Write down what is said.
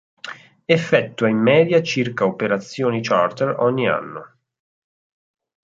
Effettua in media circa operazioni charter ogni anno.